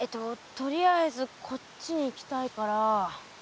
とりあえずこっちに行きたいから。